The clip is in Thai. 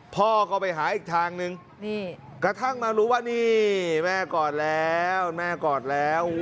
พ่อก็ไปหาอีกทางนึงกระทั่งมารู้ว่านี่แม่กอดแล้วแม่กอดแล้ว